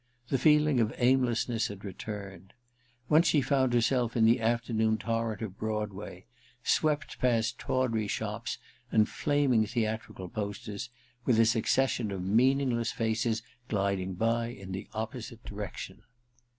The feeling of aimless ness had returned. Once she found herself in the afternoon torrent of Broadway, swept past tawdry shops and flaming theatrical posters, with a succession of meaningless faces gliding by in the opposite direction.